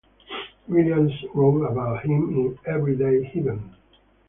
Williams wrote about him in "Everyday Heaven".